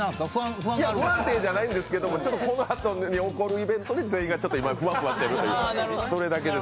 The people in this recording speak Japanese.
不安定じゃないんですけど、このあとに起こるイベントに全員が今、ふわふわしているという、それだけです。